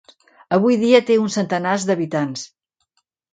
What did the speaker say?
Avui dia té uns centenars d'habitants.